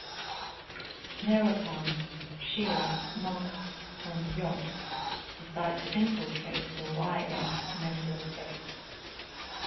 Thereupon Shira, Malkah and Yod decide to infiltrate the Y-S network base.